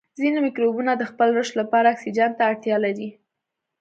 ځینې مکروبونه د خپل رشد لپاره اکسیجن ته اړتیا لري.